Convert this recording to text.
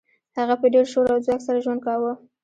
هغه په ډیر شور او ځواک سره ژوند کاوه